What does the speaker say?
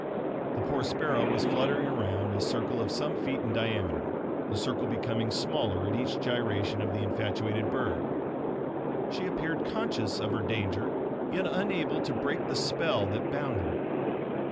The poor sparrow was fluttering around a circle of some few feet in diameter, the circle becoming smaller at each gyration of the infatuated bird. She appeared conscious of her danger, yet unable to break the spell that bound her.